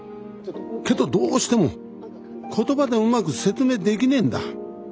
けどどうしても言葉でうまく説明できねえんだ。